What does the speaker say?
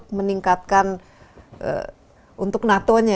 untuk meningkatkan untuk nato nya